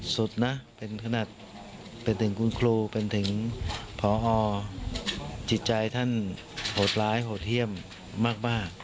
สุดนะเป็นขนาดเป็นถึงคุณครูเป็นถึงพอจิตใจท่านโหดร้ายโหดเยี่ยมมาก